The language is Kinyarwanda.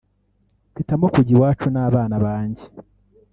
mpitamo kujya iwacu n’abana banjye